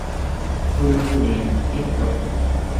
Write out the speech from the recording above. Phương liền tiếp tục